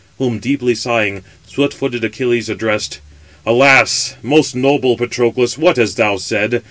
Whom, deeply sighing, swift footed Achilles addressed: "Alas! most noble Patroclus, what hast thou said?